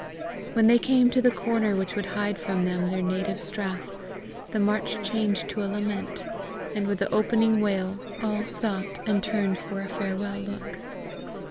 When they came to the corner which would hide from them their native strath, the march changed to a lament, and with the opening wail, all stopped and turned for a farewell look.